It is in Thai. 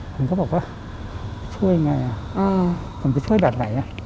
ผมก็บอกว่าช่วยไงผมจะช่วยแบบไหน